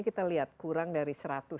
kita lihat kurang dari seratus